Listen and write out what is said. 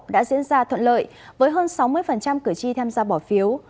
đã diễn ra thuận lợi với hơn sáu mươi cử tri tham gia bỏ phiếu